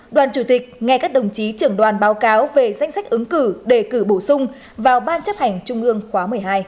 đoàn chủ tịch nghe các đồng chí trưởng đoàn báo cáo về danh sách ứng cử đề cử bổ sung vào ban chấp hành trung ương khóa một mươi hai